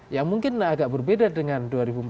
ya mungkin agak berbeda dengan dua ribu empat belas